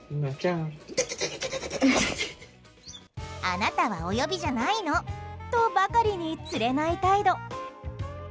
あなたはお呼びじゃないのとばかりにつれない態度。